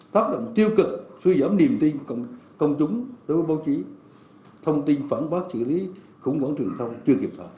tác động tiêu cực suy giảm niềm tin công chúng đối với báo chí thông tin phản bác trị lý khủng hoảng truyền thông chưa kịp thoải